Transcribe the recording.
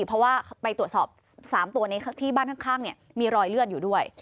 เพราะว่าไปตรวจสอบ๓ตัวนี้ที่บ้านข้างมีรอยเลือดอยู่ด้วย